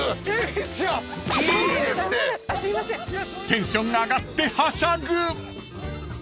［テンション上がってはしゃぐ］